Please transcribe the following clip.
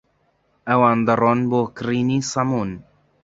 ئەوان دەڕۆن بۆ کرینی سەموون.